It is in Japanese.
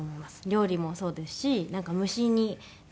料理もそうですしなんか無心になれて。